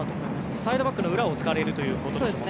サイドバックの裏を使われるということですよね。